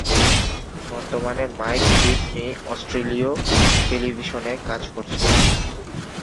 বর্তমানে Mike Whitney অস্ট্রেলীয় টেলিভিশনে কাজ করছেন।